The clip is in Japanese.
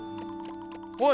おい！